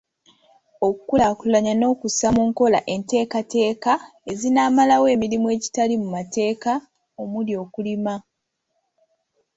Okukulaakulanya n'okussa mu nkola enteekateeka ezinaamalawo emirimu egitali mu mateeka omuli okulima.